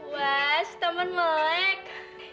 wah tampan melek